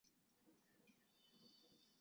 鲍博什德布雷泰。